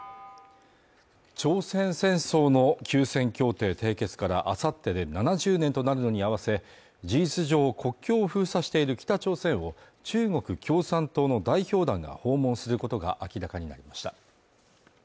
朝鮮戦争の休戦協定締結からあさってで７０年となるのに合わせ事実上国境を封鎖している北朝鮮を中国共産党の代表団が訪問することが明らかになりました